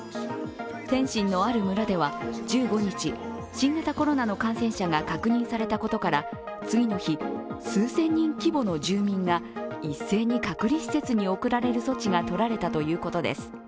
天津のある村では１５日新型コロナの感染者が確認されたことから次の日、数千人規模の住民が一斉に隔離施設に送られる措置がとられたということです。